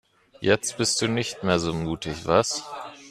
Jetzt bist du nicht mehr so mutig, was?